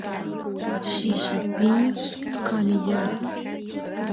shishi piña kaniyara